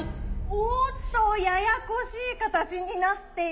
おおっとややこしい形になっていますが。